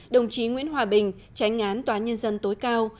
đồng chí nguyễn hòa bình tránh án tòa nhân dân tối cao